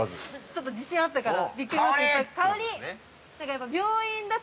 ◆ちょっと自信があったから。